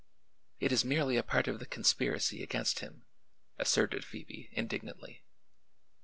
"It is merely a part of the conspiracy against him," asserted Phoebe indignantly.